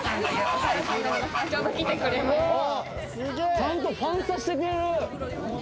ちゃんとファンサしてくれる！